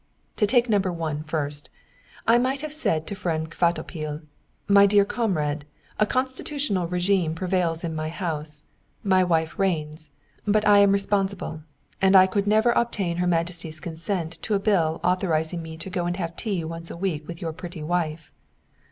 To take number one first, I might have said to friend Kvatopil: "My dear comrade, a constitutional regime prevails in my house: my wife reigns, but I am responsible, and I could never obtain her majesty's consent to a bill authorizing me to go and have tea once a week with your pretty wife."